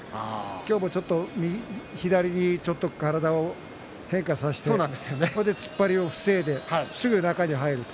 今日も左にちょっと体を変化をさせてそして突っ張りを防いですぐに中に入る。